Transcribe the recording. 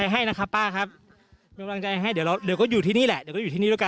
มีการมีการมีการนำเอาเรือท้องแบนรวมไปถึงสิ่งของต่างเข้ามาให้ชาวบ้านที่อยู่ที่นี่แหละ